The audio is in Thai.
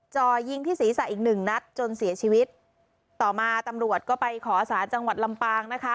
จ่อยิงที่ศีรษะอีกหนึ่งนัดจนเสียชีวิตต่อมาตำรวจก็ไปขอสารจังหวัดลำปางนะคะ